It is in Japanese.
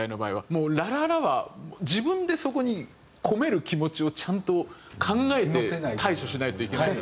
もう「ラララ」は自分でそこに込める気持ちをちゃんと考えて対処しないといけない。